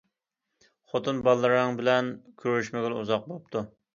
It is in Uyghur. خوتۇن، بالىلىرىڭ بىلەن كۆرۈشمىگىلى ئۇزاق بوپتۇ.